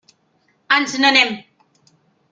Ens n'anem.